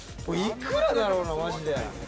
幾らだろうな、マジで。